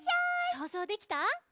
そうぞうできた？